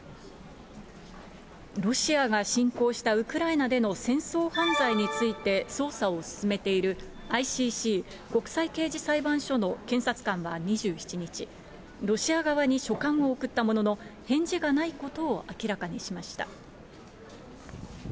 ロシアが侵攻したウクライナでの戦争犯罪について捜査を進めている、ＩＣＣ・国際刑事裁判所の検察官が２７日、ロシア側に書簡を送ったものの、返事がないことを明らかにしました。